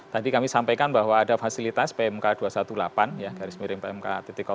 tadi kami sampaikan bahwa ada fasilitas pmk dua ratus delapan belas garis miring pmk empat ratus dua ribu sembilan belas